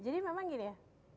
jadi memang gini ya